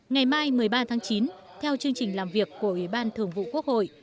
ngày mai một mươi ba tháng chín theo chương trình làm việc của ủy ban thường vụ quốc hội